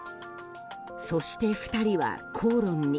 そして、２人は口論に。